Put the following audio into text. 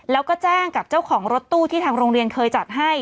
แล้วก็แจ้งกับเจ้าของรถตู้ที่ทางโรงเรียนเคยจัดให้